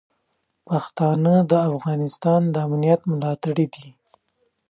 پښتانه د افغانستان د امنیت ملاتړي دي.